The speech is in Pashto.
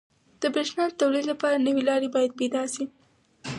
• د برېښنا د تولید لپاره نوي لارې باید پیدا شي.